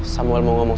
sebeinnya gak bisaingo